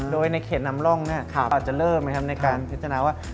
โดยในเขตนำร่องอาจจะเริ่มในการพิจารณาว่า